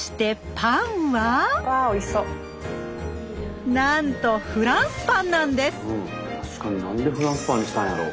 確かになんでフランスパンにしたんやろう？